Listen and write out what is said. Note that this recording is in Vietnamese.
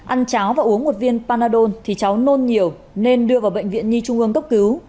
ăn cháo và uống một viên panadon thì cháu nôn nhiều nên đưa vào bệnh viện nhi trung ương cấp cứu